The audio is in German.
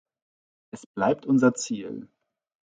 Es bleibt unser Ziel.